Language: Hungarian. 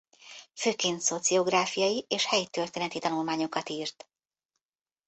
Főként szociográfiai és helytörténeti tanulmányokat írt.